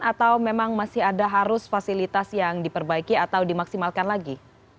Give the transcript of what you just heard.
atau memang masih ada harus fasilitas yang diperbaiki atau dimaksimalkan lagi